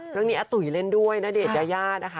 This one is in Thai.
เรื่องนี้อาตุ๋ยเล่นด้วยณเดชนยายานะคะ